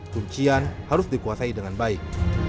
kuncian harus dikuasai dengan baik